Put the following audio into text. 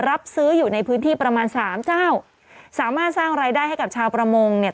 รับซื้ออยู่ในพื้นที่ประมาณสามเจ้าสามารถสร้างรายได้ให้กับชาวประมงเนี่ย